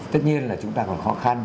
tất nhiên là chúng ta còn khó khăn